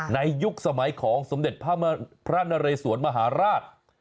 ยุคสมัยของสมเด็จพระนเรสวนมหาราช